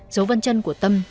dấu vân chân của tâm